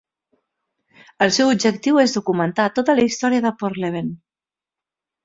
El seu objectiu és documentar tota la història de Porthleven.